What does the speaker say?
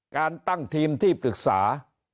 การตั้งทีมที่ปรึกษา